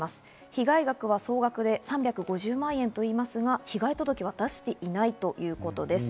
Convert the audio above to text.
被害額は総額で３５０万円と言いますが、被害届は出していないということです。